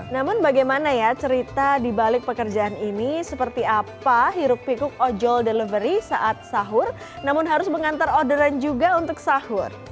namun bagaimana ya cerita di balik pekerjaan ini seperti apa hirup pikuk ojol delivery saat sahur namun harus mengantar orderan juga untuk sahur